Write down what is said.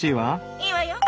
いいわよ。